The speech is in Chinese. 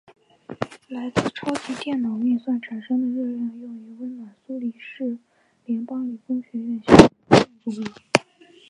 来自超级电脑运算产生的热量用于温暖苏黎世联邦理工学院校园的建筑物。